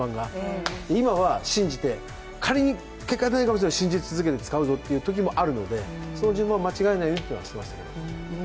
今は信じて仮に結果が出ないかもしれないけども信じ続けて使うぞっていうときもあるのでその順番を間違えないようにっていうのはしてました。